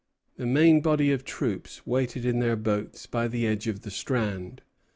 The main body of troops waited in their boats by the edge of the strand.